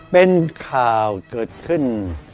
เป็นข่าวเกิดขึ้น